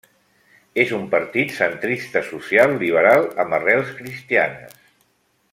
És un partit centrista social liberal amb arrels cristianes.